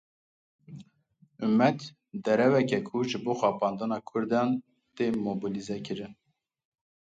Umet, dereweke ku ji bo xapandina kurdan tê mobîlîzekirin.